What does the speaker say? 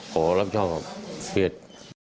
ขอรับชอบครับเครียด